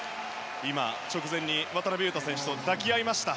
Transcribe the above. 今、直前に渡邊雄太選手と抱き合いました。